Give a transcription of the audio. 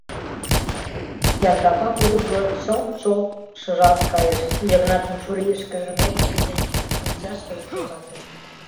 Яндава пудырго чылт-чолт шыжалт кайыш, Йыгнатын чурийышкыже, нерышкыже, шинчашкыже керылте.